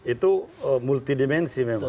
itu multi dimensi memang